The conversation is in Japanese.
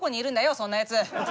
そんなやつ。